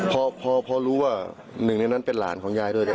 พอเพราะรู้ว่าหนึ่งหนึ่งกันเป็นหลานของยายด้วย